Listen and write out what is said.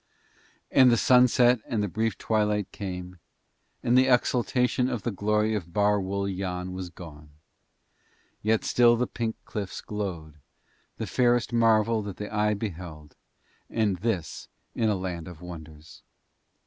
And the sunset and the brief twilight came, and the exultation of the glory of Bar Wul Yann was gone, yet still the pink cliffs glowed, the fairest marvel that the eye beheld and this in a land of wonders.